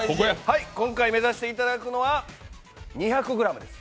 今回目指していただくのは２００ｇです。